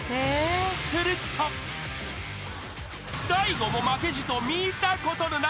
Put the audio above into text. ［大悟も負けじと見たことのない］